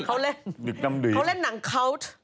เขาเล่นหนังคาวท